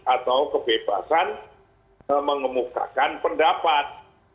atau kebebasan mengemukakan pendapat